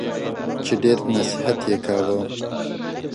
چي ډېر نصیحت یې کاوه !